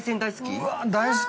◆うわぁ、大好き。